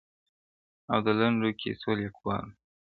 او د لنډو کیسو لیکوال وو -